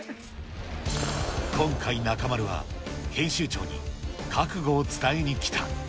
今回、中丸は、編集長に覚悟を伝えに来た。